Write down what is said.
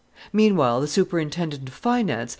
Meanwhile, the superintendent of finance, M.